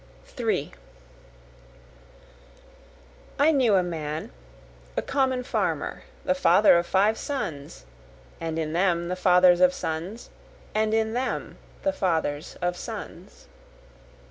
3 I knew a man, a common farmer, the father of five sons, And in them the fathers of sons, and in them the fathers of sons.